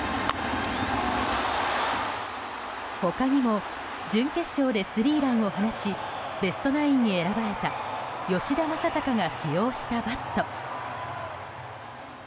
他にも準決勝でスリーランを放ちベストナインに選ばれた吉田正尚が使用したバット。